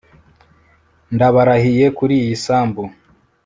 ndabarahiye kuriyi sambu